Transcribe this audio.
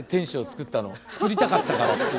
造りたかったからっていう。